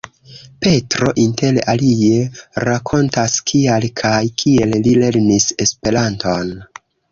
Petro inter alie rakontas kial kaj kiel li lernis Esperanton.